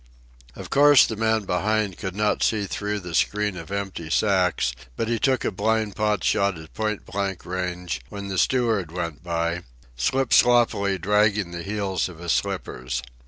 Of course, the man behind could not see through the screen of empty sacks, but he took a blind pot shot at point blank range when the steward went by, slip sloppily dragging the heels of his slippers.